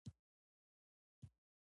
تودوخه د ذرو د ټکر په اثر هدایت کیږي.